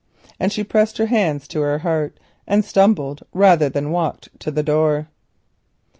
And she pressed her hands to her heart and stumbled rather than walked to the door.